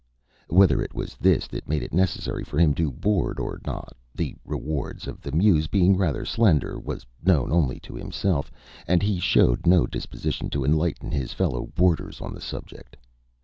Whether it was this that made it necessary for him to board or not, the rewards of the muse being rather slender, was known only to himself, and he showed no disposition to enlighten his fellow boarders on the subject.